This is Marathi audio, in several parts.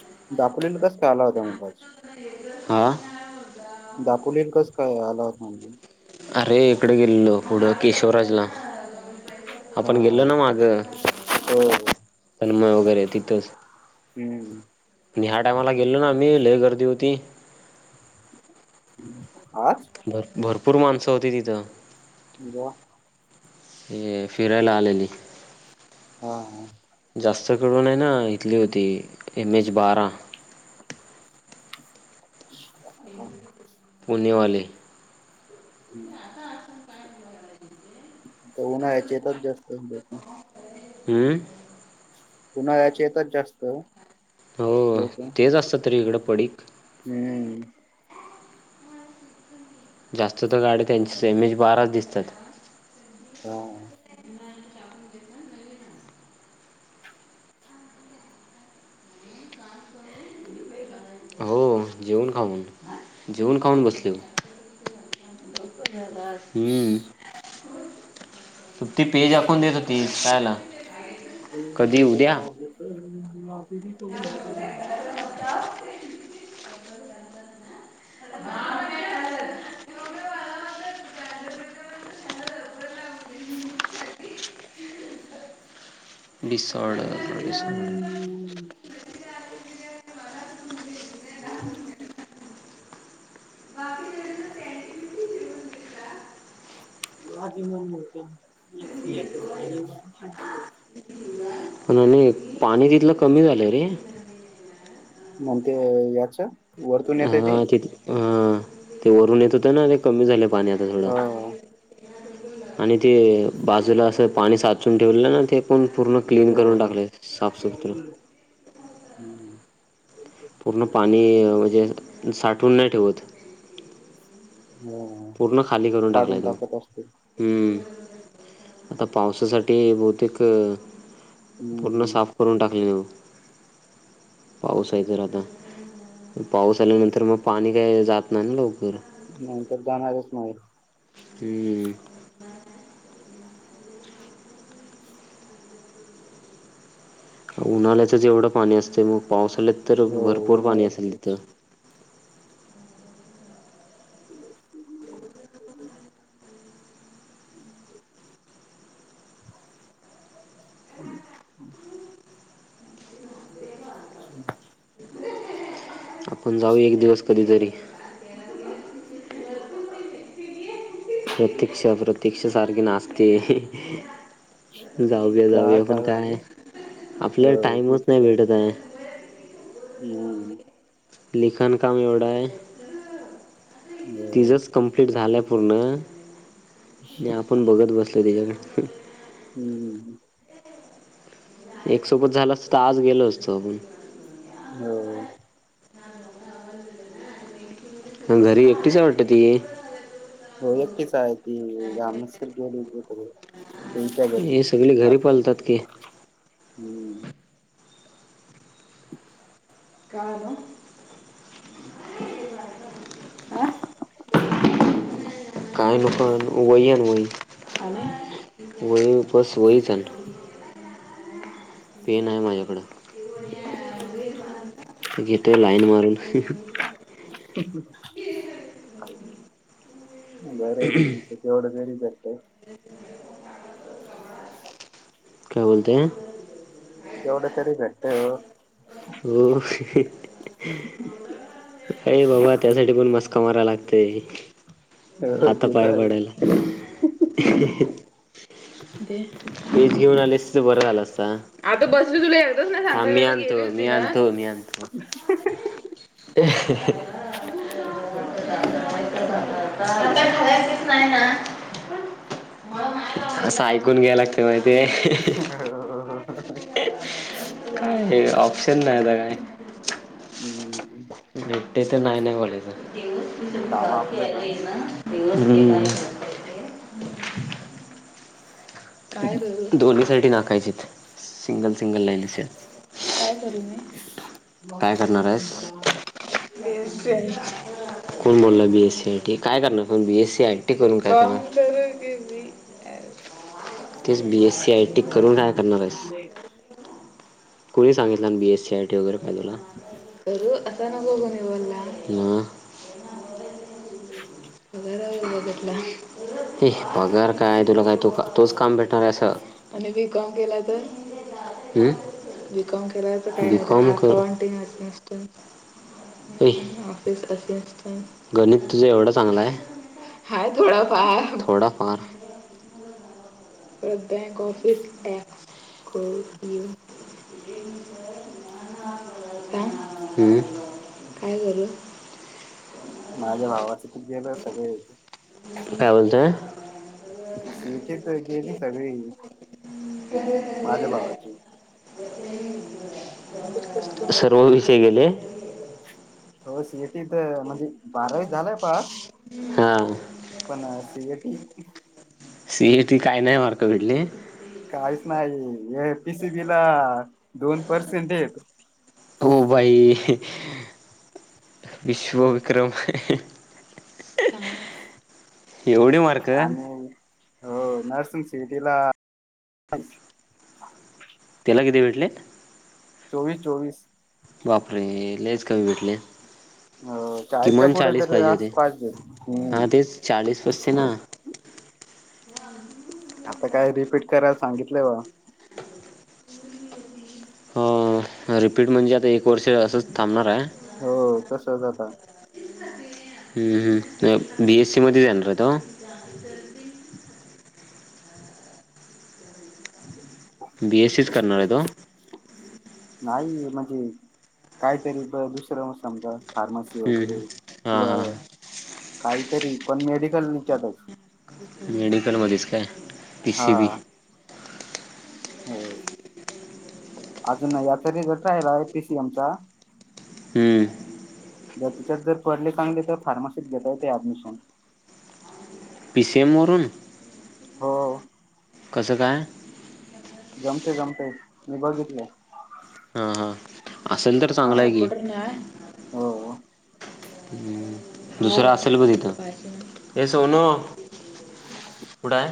[unintelligible] आ दापोली कस काय आला होता [unintelligible] अरे इकडे गेल्लेलो कुड क केशवराजला आपण गेलो हां. ना माग हो. तन्मय वगैरे तिथच हं. आणि ह्या टायमाला गेलो ना लई गर्दी होती [inaudible] भर भरपूर माणसं होती तिथं [inaudible] हे फिरायला आलेली हा जास्त करून आहे ना इथली होती एम एच बारा [unintelligible] निवाले [inaudible] तर उनाळ्याचेे येतात जास्त लोक हम्म उन्हाळ्याचे येतात जास्त हो लोकं. तेच असत तरी इकडं पडीक हं. जास्त तर गाडी त्यांची एम एज बाराच दिसतात ह जेवण खाऊन जेवून खाऊन बसल हम्म ती [unintelligible] देत होती खायाला [unintelligible] [inaudible] [unintelligible] [inaudible] [unintelligible] आणि एक पाणी तिथलं कमी झालंय रे मंग ते याच वरतून येतय ते हा तिथ हा ते वरून येत होत ना ते कमी झालय पाणी आता थोडं हां. आणि ते बाजूला असं पाणी साचून ठेवलेलं ना ते पण पूर्ण क्लीन हो. करून टाकलय साफसुथरं [inaudible] पूर्ण पाणी म्हणजे साठवून नाही ठेवत हो पूर्ण खाली करून काढून टाकलाय तो टाकत असते हुं आता पावसासाठी बहुतेक पूर्ण हम्म साफ करून टाकलय [unintelligible] [inaudible] पाऊस आहे तर आता पाऊस आल्यानंतर मग पाणी काही जात नाही ना लवकर नाही तर जाणारच नाही हुं उन्हाळ्याचंच एवढं पाणी असतें मग पावसाळ्यात तर हो भरपूर पाणी असेल उन्हाळ्याच तिथं [inaudible] [inaudible] हू हू [unintelligible] [inaudible] आपण जाऊया एक दिवस कधीतरी प्रतीक्षा प्रतीक्षा सारखी नाचते जाऊया काय जाऊया पण झालं काय आपल्याला हो टाइमच नाही भेटत आहे हुं हुं लिखाण काम एवढं हाय हो तिझच कंप्लीट झालंय पूर्ण नी आपण बघत बसलोय तीज्याकड हुं हुं हुं एक सोबत झालं असत तर आज गेलो असतो आपण हो मग घरी एकटीच वाटतं ती हो एकटीच आहे ती रानसर गेली सगळं हे सगळे घरी पलतात की हम्म काळानो हा [unintelligible] काय नको आणू वही आण [unintelligible] तू बस वहीच आण पेन आहे माझ्याकडं ते घेतय लाईन मारून बर आहे तुमचं तेवढं तरी भेटतंय [inaudible] काय बोलते तेवढं तरी भेटतं हो काय बाबा त्यासाठी पण मस्का माराय लागतय. हो हाता ते तर पाया पडायला [inaudible] वीज घेऊन आली असतीस तर बरं झालं असता आता बस तुला मी आणतो मी आणतो मी आणतो. अहं आहे हँ असं ऐकून घ्या लागते माहि [inaudible] काय ऑप्शन नाही आता काय हम्म नडडे तर नाही नाही कॉलेज हम् काम आपलंच [inaudible] दोन्ही साठी नाकायचे सिंगल सिंगल लाईनू [unintelligible] माची म्हण त्या [inaudible] कोण बोलला बी एस आहे ठी काय करणार बीएससी आयटी करून काय करणार तेच बीएससी आय टी करून काय [inaudible] कुणी सांगितलं बीएस सी आयटी वगैरे काय तुला [inaudible] भ पगार काय तुला काय तू तोच काम भेटणार आहे असं आणि बी कॉम केला तर हम बीकॉम केला नंतर बीकॉम कर अकाऊंट वगैरे गणित तुझ एवढंच चांगला हाय थोडाफार थोडाफार बँक ऑफिस को [unintelligible] हम हम काय करू [inaudible] माझ्या भावाच तरू गेलं सगळे काय बोलत [inaudible] केस गेली सगळी [inaudible] माझ्या भावाची [inaudible] सर्व विषय गेले हो श म्हणज बावी झाय पा हा पण ह सीएटी काय नाही मार्क वडले काहीच नाही ए पीसीबी ला दोन पर्सेंट येत बाई [inaudible] विश्व विक्रम [inaudible] एवढी मार्क आणि हो नर्सिंग सिटीला [inaudible] केलाग दे वडले चोवीस चोवीस बापरे लच कमी भेटले हो चायच्या किमान पुढे चाळीस तरी पाहिजे अस होते पाहिजेत हा हम्म [inaudible] ह [inaudible] आता काय रिपीट करा सांगितलं बा [inaudible] हो रिपीट म्हणजे आता एक वर्ष असंच थांबणार आहे हो तस झाता हम्म हम् बीएससी मध्ये जाणार आहे तो [inaudible] [inaudible] बी एस एस करनारद [inaudible] नाही म्हणजे [inaudible] काहीतरी ब दुसरं म समजा फार्मसी वगैरे हां किंवा हां काही तरी पण मेडिकल निच्यातच [inaudible] मेडिकल मध्येच काय हा पीसीबी हो अजून पीसीएम चा रिझल्ट राहिला आहे आता आहे प हम्म ज तुच्यात जर पडले चांगले तर फार्मसीत घेता येते ऍडमिशन डिसेबरून हो कसं काय जमते जमते मी बघितले. हां हां असेल तर चांगलंय की हो दुसरं असेल ब तिथं हे सोनू कुठं आहे.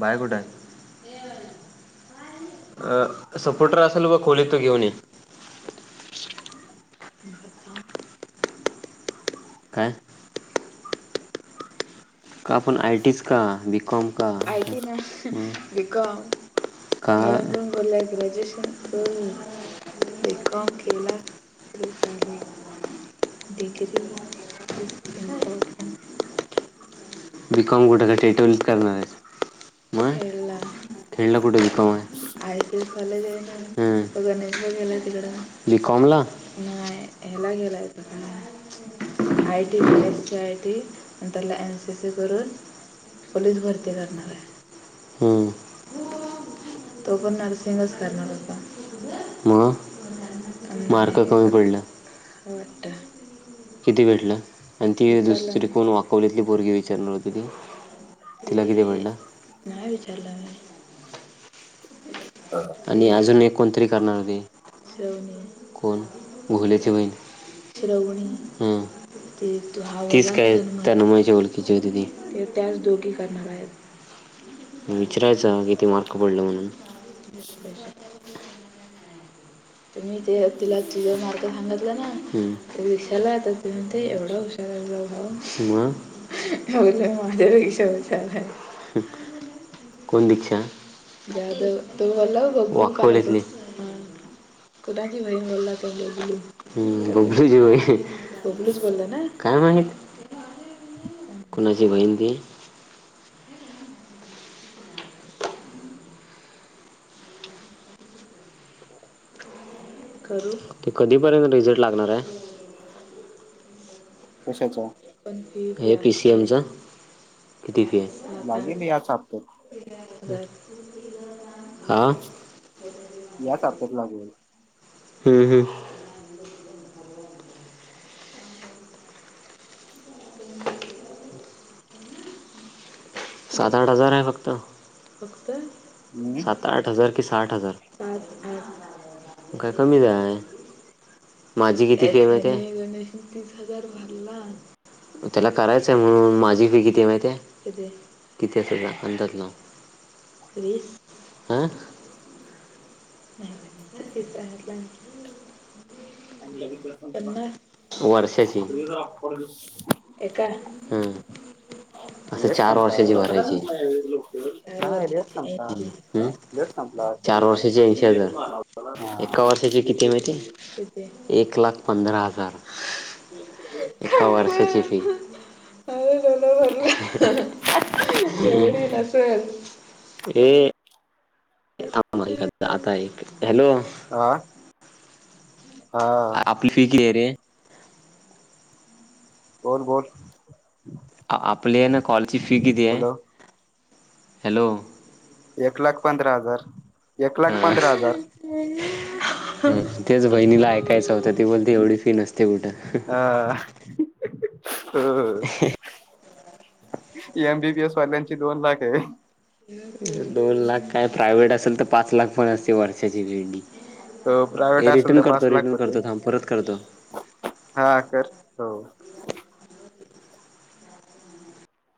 बायकुठ आहे. अ सपोर्टर असेल ब खोली तो घेऊन ये. काय का आपण आयटीच का बीकॉम का बीकॉम ला ग्रॅजुएशन बीकॉम केला तरी चालेल. डीग्री ग्री बीकॉम कुठे का टेटवेलीत करणार आहे मग खेडला खेडला कुठे बीकॉम आहे? आहे की, हम्म [unintelligible] मला नाही बोलले तर बीकॉम ला नाही हयाला गेलाय [unintelligible] आयटी आणि असे करून पोलीस भरती करणार आहे. हंम [unintelligible] तो पण नर्सिंगच करणार होता. मग [unintelligible] मार्क कमी पडला. वाटतं किती भेटलं आणि ती दुसरी कोण वाकवलीतली पोरगी विचारणार होती ती. तिला किती पडलं? नाही विचारलं मी [inaudible] आणि अजून एक कोणतरी करणार होते [unintelligible] कोण घोलेची बहीण. श्रावणी तीच काय तन्मयची ब ओळखीची होती दोघी करणार. [inaudible] विचारायचं किती मार्क पडलं म्हणून [inaudible] तुम्ही [unintelligible] तिला तिचे मार्क सांगितलं ना विचारलं ती म्हणते एवढ हुशार आहे तुझा भाऊ मग माझ्या पेक्षा हुशार आहे. हम् कोण दीक्षा? जाधव वाकवलीतली कोणाची बहीण बबलीची बहीण बबलू च बोला ना काय माहीत? कोणाची बहीण ती? ते कधीपर्यंत रिझल्ट लागणार आहे. कशाचा हे पीसीएमचा किती फी आहे? सात लागेल आठ याच हप्त्यात हा.. ह्याच हप्त्यात लागेल. हम्म हमम सात आठ हजार आहे. फक्त सात आठ हजार. की साठ हजार काय कमी आहे. माझी किती फी आहे माहित आहे. त्याला करायचंय म्हणून माझी फी किती माहिती आहे? किती असेल अंदाज नाव हं तरी वीस आ.. [unintelligible] तुझा रिचार्जे संपला वर्षाची फ्री चा हॉटस्पॉट देतों. एका हम्म लेट संपला उरकाय येत नाय व्हय लवकर चार नाय लेट वर्षाची संपला. ऐंशी अ हं? लेट संपला संपला वाटतं चार वर्षाची ऐंशी हजार तिचा [unintelligible] एका वर्षाची किती माहिती? किती? एक लाख पंधरा हजार. [unintelligible] अ जोला भर [unintelligible] [unintelligible] ये [unintelligible] आता एक हॅलो! हा हा आपली फी किती आहे रे? बोल.. बोल.. आपली आहे ना कॉलची फी किती आहे? Hello hello! एक लाख पंधरा हजार. एक लाख पंधरा हजार ह तेच बहिणीला ऐकायचं होतं ते बोल तेवी फी नसते कुठं हा हा हो हो एमबीबीएस वाल्यांची दोन लाख आहे दोन लाख काय प्रायव्हेट असेल तर पाच लाख पण असते वर्षाची बिरडी अ प्रायव्हेट असेल तर पाच लाख होते करतो थांब परत करतो हा कर हो